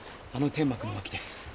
あの天幕の脇です。